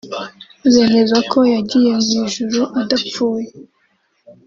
Bemeza ko yagiye mu ijuru adapfuye